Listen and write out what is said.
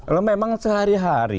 kalau memang sehari hari